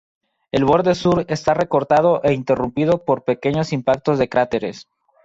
El borde sur está recortado e interrumpido por pequeños impactos de cráteres.